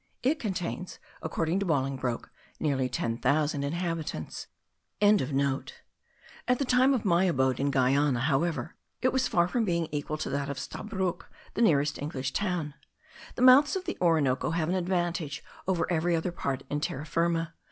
It contains, according to Bolingbroke, nearly 10,000 inhabitants.) At the time of my abode in Guiana, however, it was far from being equal to that of Stabroek, the nearest English town. The mouths of the Orinoco have an advantage over every other part in Terra Firma.